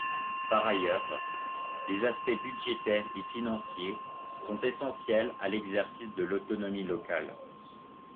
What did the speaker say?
Par ailleurs, les aspects budgétaires et financiers sont essentiels à l'exercice de l'autonomie locale.